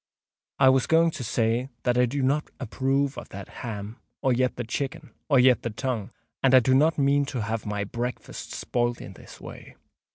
I was going to say that I do not approve of that ham—or yet the chicken—or yet the tongue; and I do not mean to have my breakfast spoilt in this way.